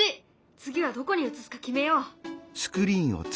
次はどこに映すか決めよう。